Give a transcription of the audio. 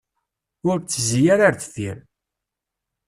Ur ttezzi ara ar deffir.